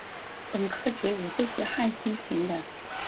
本科植物都是旱生型的。